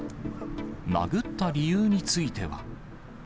殴った理由については。